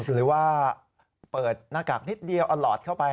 หรือว่าเปิดหน้ากากนิดเดียวเอาหลอดเข้าไป